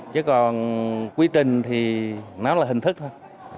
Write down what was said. chứ còn quy trình thì nó là hình thức thôi